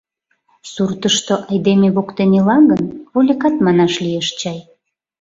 Суртышто, айдеме воктен ила гын, вольыкат манаш лиеш чай.